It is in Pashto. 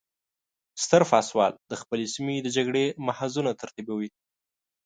ستر پاسوال د خپلې سیمې د جګړې محاذونه ترتیبوي.